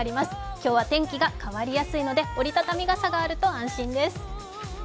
今日は天気が変わりやすいので折り畳み傘があると安心です。